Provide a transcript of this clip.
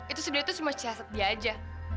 itu sebenernya cuma ciasat dia aja